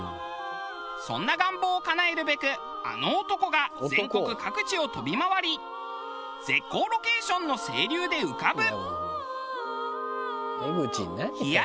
そんな願望をかなえるべくあの男が全国各地を飛び回り絶好ロケーションの清流で浮かぶ。